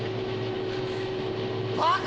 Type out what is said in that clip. バカ！